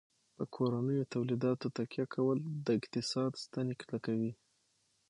په کورنیو تولیداتو تکیه کول د اقتصاد ستنې کلکوي.